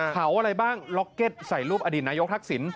อะไรบ้างล็อกเก็ตใส่รูปอดีตนายกทักษิณ